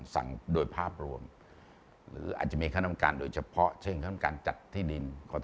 สั่งโดยภาพรวมหรืออาจมีค่าน้ำการโดยเฉพาะเช่นเขามีการจัดที่ดินค์ก็